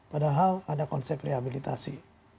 padahal ada konsep rehabilitasi